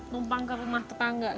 lompat ke rumah tetangga